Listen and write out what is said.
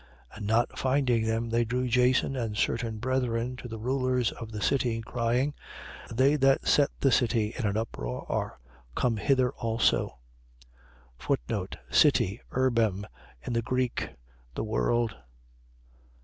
17:6. And not finding them, they drew Jason and certain brethren to the rulers of the city, crying: They that set the city in an uproar are come hither also: City. Urbem. . .In the Greek, the world.